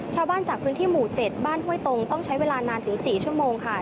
ชาวบ้านจากพื้นที่หมู่๗บ้านห้วยตรงต้องใช้เวลานานถึง๔ชั่วโมงค่ะ